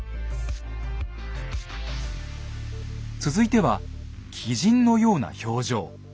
続いては鬼神のような表情。